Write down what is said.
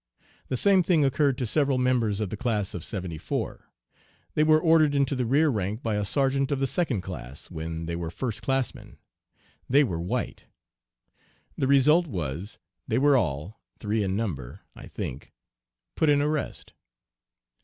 The same thing occurred to several members of the class of '74. They were ordered into the rear rank by a sergeant of the second class, when they were first classmen. They were white. The result was they were all, three in number, I think, put in arrest.